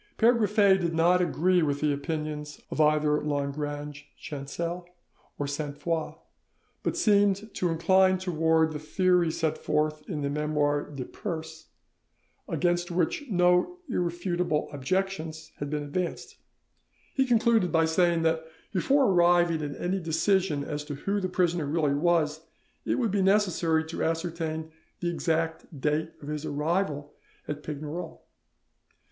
Pere Griffet did not agree with the opinions of either Lagrange Chancel or Sainte Foix, but seemed to incline towards the theory set forth in the 'Memoires de Perse', against which no irrefutable objections had been advanced. He concluded by saying that before arriving at any decision as to who the prisoner really was, it would be necessary to ascertain the exact date of his arrival at Pignerol.